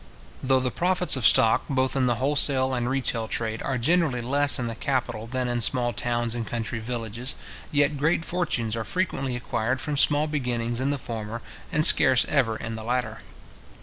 Though the profits of stock, both in the wholesale and retail trade, are generally less in the capital than in small towns and country villages, yet great fortunes are frequently acquired from small beginnings in the former, and scarce ever in the latter.